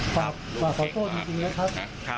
ฝากขอโทษจริงนะครับ